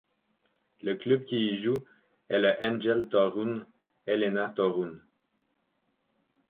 Le club qui y joue est le Angels Toruń, Elana Toruń.